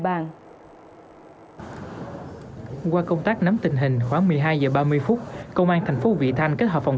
bang qua công tác nắm tình hình khoảng một mươi hai h ba mươi phút công an thành phố vị thanh kết hợp phòng